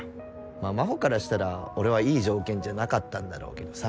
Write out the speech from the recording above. まあ真帆からしたら俺はいい条件じゃなかったんだろうけどさ。